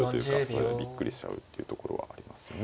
それでびっくりしちゃうっていうところはありますよね。